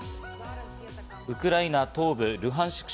ウクライナ東部ルハンシク